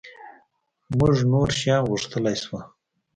مونږ نور شیان غوښتلای شول.